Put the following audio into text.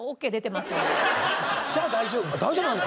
じゃあ大丈夫。